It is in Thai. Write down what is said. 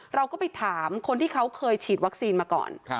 เราก็ไปถามคนที่เขาเคยฉีดวัคซีนมาก่อน